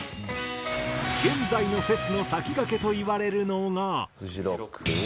現在のフェスの先駆けといわれるのが。